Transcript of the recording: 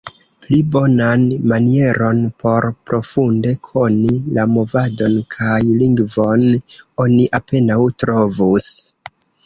Pli bonan manieron por profunde koni la movadon kaj lingvon oni apenaŭ trovus.